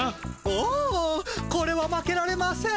おおこれは負けられません。